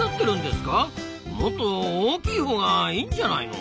もっと大きいほうがいいんじゃないの？